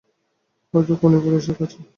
হয়তো খুনি পুলিশের লোক।